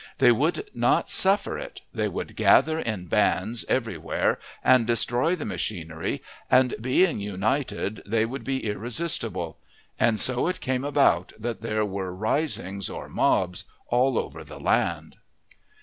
They would not suffer it; they would gather in bands everywhere and destroy the machinery, and being united they would be irresistible; and so it came about that there were risings or "mobs" all over the land.